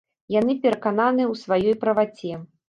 Яны перакананыя ў сваёй праваце.